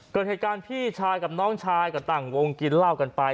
เกิดเหตุการณ์พี่ชายกับน้องชายก็ตั้งวงกินเหล้ากันไป